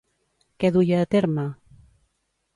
Què duia a terme?